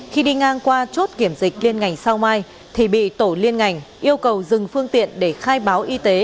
khi đi ngang qua chốt kiểm dịch liên ngành sao mai thì bị tổ liên ngành yêu cầu dừng phương tiện để khai báo y tế